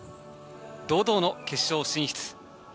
堂々の決勝進出。